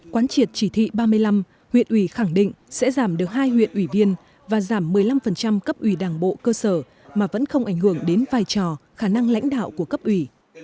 quán triệt chỉ thị ba mươi năm huyện ủy khẳng định sẽ giảm được hai huyện ủy viên và giảm một mươi năm cấp ủy đảng bộ cơ sở mà vẫn không ảnh hưởng đến vai trò khả năng lãnh đạo của cấp ủy